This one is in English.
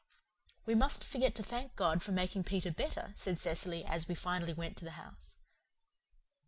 "We mustn't forget to thank God for making Peter better," said Cecily, as we finally went to the house.